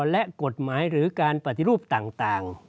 และกฎหมายหรือการปฏิรูปต่าง